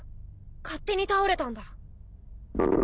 勝手に倒れたんだ。